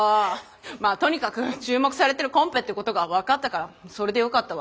まあとにかく注目されてるコンペってことが分かったからそれでよかったわ。